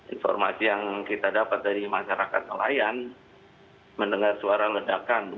informasi yang kita dapat dari masyarakat nelayan mendengar suara ledakan